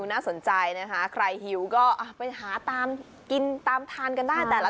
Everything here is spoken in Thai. น่าสนใจนะคะใครหิวก็ไปหาตามกินตามทานกันได้แต่ละ